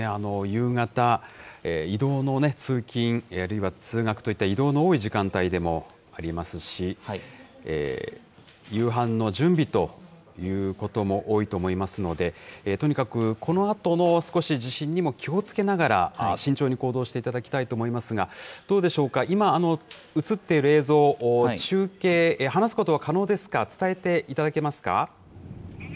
夕方、移動の、通勤あるいは通学といった移動の多い時間帯でもありますし、夕飯の準備ということも多いと思いますので、とにかく、このあとの少し地震にも気をつけながら、慎重に行動していただきたいと思いますが、どうでしょうか、今、映っている映像、中継、話すことは可能ですか。